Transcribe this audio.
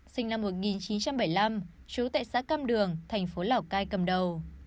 sinh năm một nghìn chín trăm bảy mươi năm trú tại xã cam đường thành phố lào cai cầm đầu